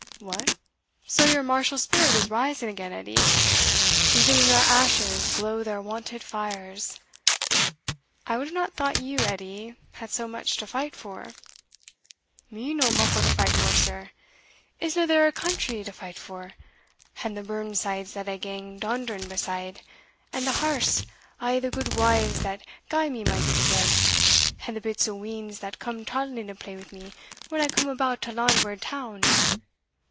"What! so your martial spirit is rising again, Edie? Even in our ashes glow their wonted fires! I would not have thought you, Edie, had so much to fight for?" "Me no muckle to fight for, sir? isna there the country to fight for, and the burnsides that I gang daundering beside, and the hearths o'the gudewives that gie me my bit bread, and the bits o' weans that come toddling to play wi' me when I come about a landward town?